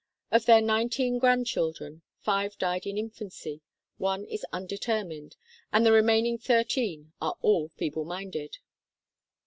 Of their nineteen grandchildren, five died in infancy, one is undetermined, and the remaining thirteen are all feeble minded.